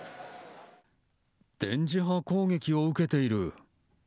電磁波攻撃を受けている。